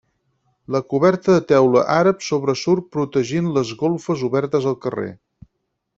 La coberta de teula àrab sobresurt protegint les golfes obertes al carrer.